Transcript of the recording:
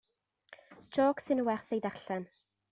Jôc sy'n werth ei darllen.